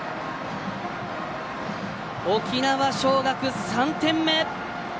沖縄尚学、３点目。